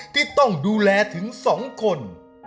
ที่ต้องดูแลถึง๒คน